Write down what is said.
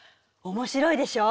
面白いでしょ。